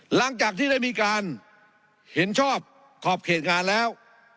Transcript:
หลังจากที่ได้มีการเห็นชอบขอบเขตงานแล้ว